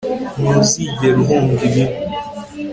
ntuzigera uhunga ibi